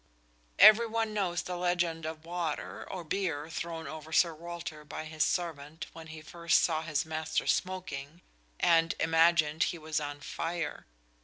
Every one knows the legend of the water (or beer) thrown over Sir Walter by his servant when he first saw his master smoking, and imagined he was on fire.